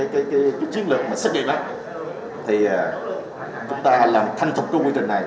cái chiến lược mà xét nghiệm thì chúng ta làm thanh thục cái quy trình này